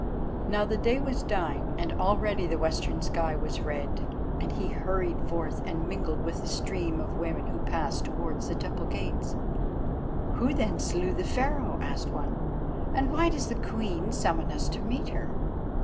Now the day was dying, and already the western sky was red, and he hurried forth and mingled with the stream of women who passed towards the Temple gates. "Who then slew Pharaoh?" asked one; "and why does the Queen summon us to meet her?"